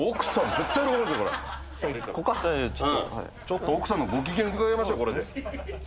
ちょっと奥さんのご機嫌伺いましょうこれで。